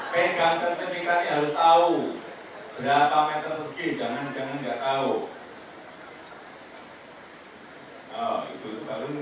pengangkutan tingkatnya harus tahu berapa meter persegi jangan jangan nggak tahu